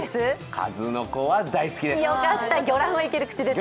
数の子は大好きです！